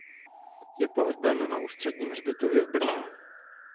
Je pohřben na Ústředním hřbitově v Brně.